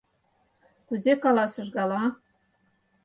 Кузе каласыш гала?